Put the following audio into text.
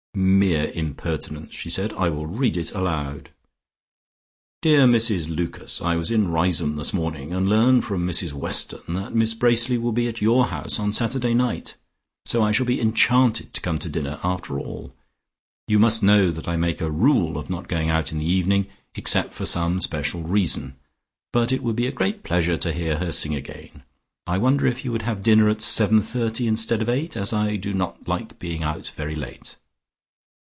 "Mere impertinence," she said. "I will read it aloud." "Dear Mrs Lucas, "I was in Riseholme this morning, and learn from Mrs Weston that Miss Bracely will be at your house on Saturday night. So I shall be enchanted to come to dinner after all. You must know that I make a rule of not going out in the evening, except for some special reason, but it would be a great pleasure to hear her sing again. I wonder if you would have dinner at 7:30 instead of 8, as I do not like being out very late."